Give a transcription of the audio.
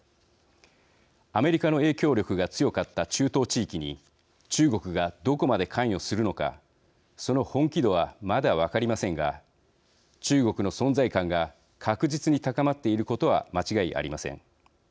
アメリカの影響力が強かった中東地域に中国がどこまで関与するのかその本気度はまだ分かりませんが中国の存在感が確実に高まっていることは間違いありません。